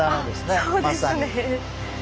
あっそうですね。